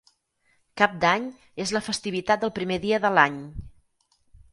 Cap d'Any és la festivitat del primer dia de l'any.